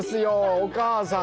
お母さん。